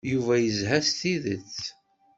Yuba yezha s tidet.